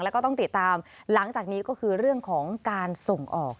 แล้วก็ต้องติดตามหลังจากนี้ก็คือเรื่องของการส่งออก